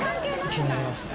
気になりますね。